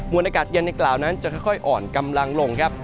วนอากาศเย็นในกล่าวนั้นจะค่อยอ่อนกำลังลงครับ